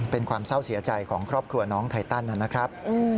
เป็นความเศร้าเสียใจของครอบครัวน้องไทตันนะครับ